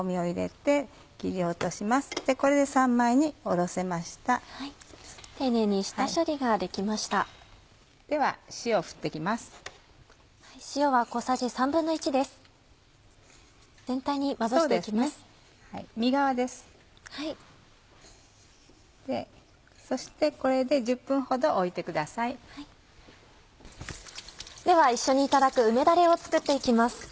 では一緒にいただく梅だれを作って行きます。